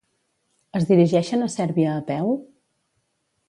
Es dirigeixen a Sèrbia a peu?